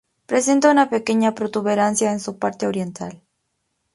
Presenta una pequeña protuberancia en su parte oriental.